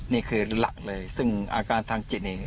นี่คือหลักเลยซึ่งอาการทางจิตเอง